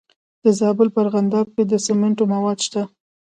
د زابل په ارغنداب کې د سمنټو مواد شته.